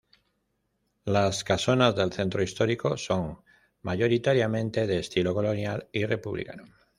Las casonas del centro histórico son mayoritariamente de estilo colonial y republicano.